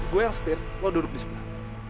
gue yang setir lo duduk di sebelah